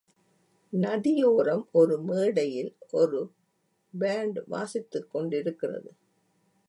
நதியோரம் ஒரு மேடையில் ஒரு பேண்ட் வாசித்துக் கொண்டிருக்கிறது.